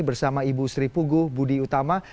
bersama ibu sri puguh budi utama